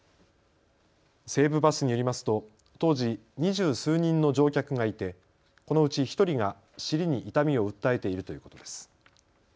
西武バスによりますと当時、二十数人の乗客がいてこのうち１人が尻に痛みを訴えているということです。